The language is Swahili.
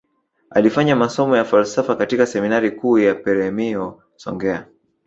Alifanya masomo ya falsafa katika seminari kuu ya peremiho songea